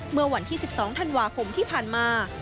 เมื่อวันที่๑๒ธันวาคมที่ผ่านมา